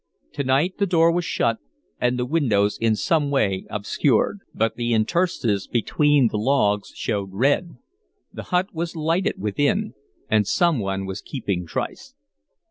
To night the door was shut and the windows in some way obscured. But the interstices between the logs showed red; the hut was lighted within, and some one was keeping tryst.